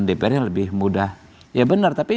dpr nya lebih mudah ya benar tapi